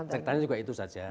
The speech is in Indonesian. ceritanya juga itu saja